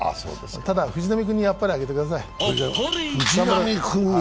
ただ、藤浪君にあっぱれあげてください。